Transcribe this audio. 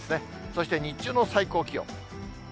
そして日中の最高気温。